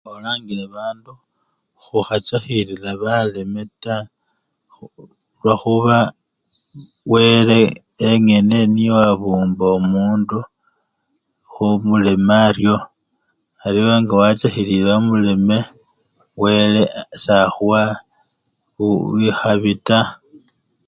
Imbolangila babandu khukhachakhilila baleme taa khu! lwekhuba wele engene niye owabumba omundu khuba omuleme aryo aliwe nga wachakhilile omuleme, wele khu! sakhuwa i! chikhabi taa.